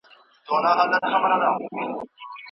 د ټولنې بنسټونه ټاکل د ناکامیو مخنیوی کوي.